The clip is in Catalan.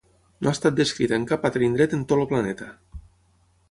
No ha estat descrita en cap altre indret en tot el planeta.